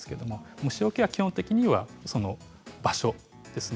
虫よけは基本的にはその場所ですね。